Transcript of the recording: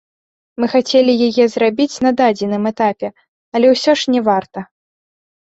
Мы хацелі яе зрабіць на дадзеным этапе, але ўсё ж не варта.